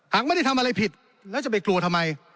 หากไม่ได้ทำอะไรผิดแล้วจะไปกลัวทำไม